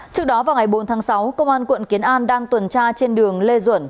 trước đó vào ngày bốn tháng sáu công an quận kiến an đang tuần tra trên đường lê duẩn